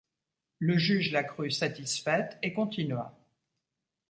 Le juge la crut satisfaite, et continua.